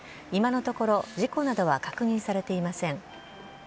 今のところ事故などは確認されていません。